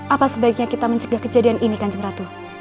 apa sebaiknya kita mencegah kejadian ini kanjeng ratu